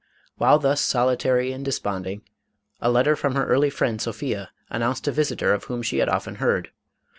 While thus solitary and desponding, a letter from her early friend Sophia, announced a visitor of whom she had often heard.